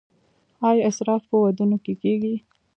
آیا اسراف په ودونو کې کیږي؟